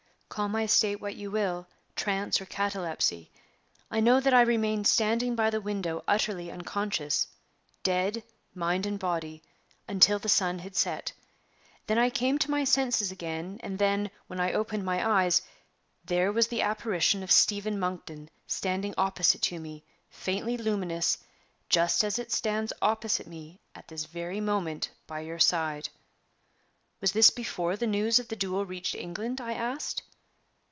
Call my state what you will, trance or catalepsy, I know that I remained standing by the window utterly unconscious dead, mind and body until the sun had set. Then I came to my senses again; and then, when I opened my eyes, there was the apparition of Stephen Monkton standing opposite to me, faintly luminous, just as it stands opposite me at this very moment by your side." "Was this before the news of the duel reached England?" I asked.